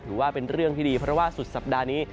ถือว่าเป็นเรื่องที่ดีเพราะว่าสุดสัปดาห์นี้